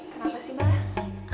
kenapa sih bang